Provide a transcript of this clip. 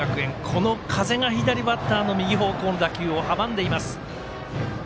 この風が左バッターの右方向の打球を阻んでいます。